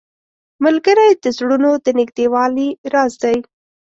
ملګری د زړونو د نږدېوالي راز دی